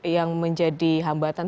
yang menjadi hambatan